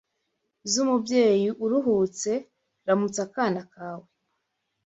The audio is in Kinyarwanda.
Z’Umubyeyi uruhutse Ramutsa akana kawe